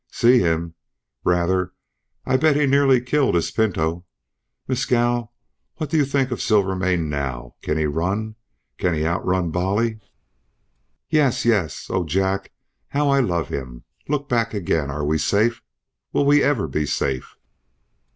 "See him? Rather! I'll bet he nearly killed his pinto. Mescal, what do you think of Silvermane now? Can he run? Can he outrun Bolly?" "Yes yes. Oh! Jack! how I'll love him! Look back again. Are we safe? Will we ever be safe?"